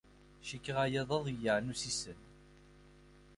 Cikkeɣ aya d aḍeyyeɛ n wussisen.